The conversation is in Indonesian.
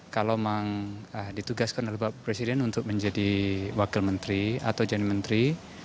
kalau memang ditugaskan oleh bapak presiden untuk menjadi wakil menteri atau jadi menteri